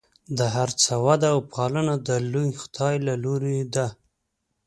د هر څه وده او پالنه د لوی خدای له لورې ده.